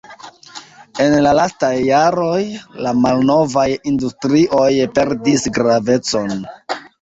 En la lastaj jaroj la malnovaj industrioj perdis gravecon.